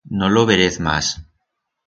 No lo verez mas.